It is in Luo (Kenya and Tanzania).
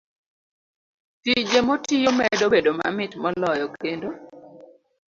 Tije motiyo medo bedo mamit moloyo, kendo